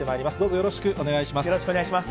よろしくお願いします。